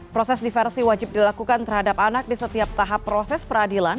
proses diversi wajib dilakukan terhadap anak di setiap tahap proses peradilan